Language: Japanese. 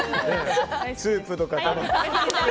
スープとか。